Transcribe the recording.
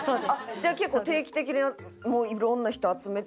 じゃあ結構定期的にもういろんな人集めてやるんですか？